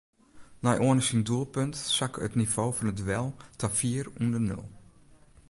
Nei Anne syn doelpunt sakke it nivo fan it duel ta fier ûnder nul.